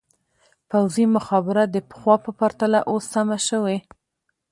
پوځي مخابره د پخوا په پرتله اوس سمه شوې.